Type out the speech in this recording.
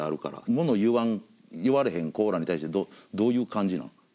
ものを言わん言われへん子らに対してどういう感じなん？